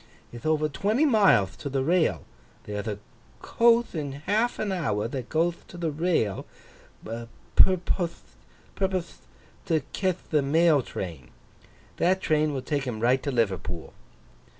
Ith over twenty mileth to the rail. There'th a coath in half an hour, that goeth to the rail, 'purpothe to cath the mail train. That train will take him right to Liverpool.